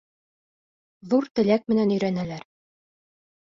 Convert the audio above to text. Ҙур теләк менән өйрәнәләр.